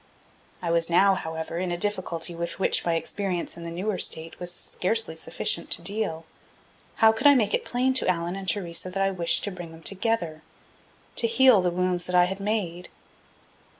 I was now, however, in a difficulty with which my experience in the newer state was scarcely sufficient to deal. How could I make it plain to Allan and Theresa that I wished to bring them together, to heal the wounds that I had made?